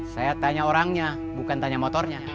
saya tanya orangnya bukan tanya motornya